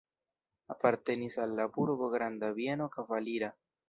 Apartenis al la burgo granda bieno kavalira.